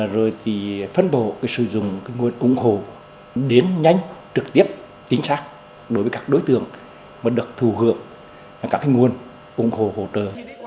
rồi thì phân bộ cái sử dụng cái nguồn ủng hộ đến nhanh trực tiếp tính xác đối với các đối tượng mà được thù hưởng các cái nguồn ủng hộ hỗ trợ